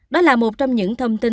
đó là một trong những thông tin